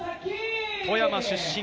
富山出身。